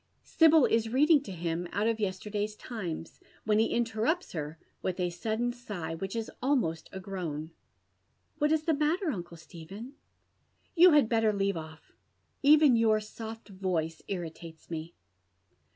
Sibyl is reading to him out of yesterday's Times, when ho interrupts her with a sudden sigh, wliich is almost a groan. " What is Ae matter, uncle Stephen ?"" You had better leave off, — even your soft voice irritates me."